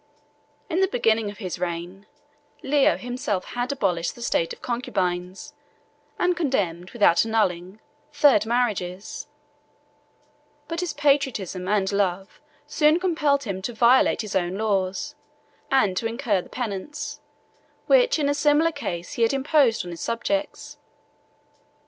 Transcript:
In the beginning of his reign, Leo himself had abolished the state of concubines, and condemned, without annulling, third marriages: but his patriotism and love soon compelled him to violate his own laws, and to incur the penance, which in a similar case he had imposed on his subjects.